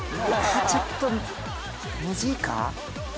ちょっとムズいか？